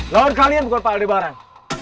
lawan kalian bukan pak aldebaran